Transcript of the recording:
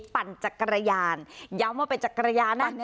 ปั่นจักรยานย้ำว่าเป็นจักรยานนะ